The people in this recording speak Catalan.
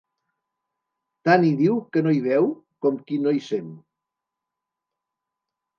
Tant hi diu qui no hi veu, com qui no hi sent.